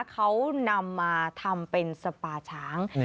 เขานำมาทำเป็นสปาช้าง